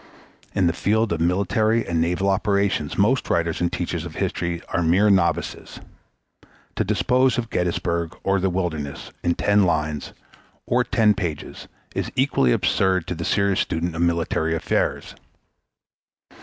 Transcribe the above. In the field of military and naval operations most writers and teachers of history are mere novices. To dispose of Gettysburg or the Wilderness in ten lines or ten pages is equally absurd to the serious student of military affairs.